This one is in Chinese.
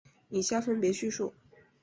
以下分别叙述。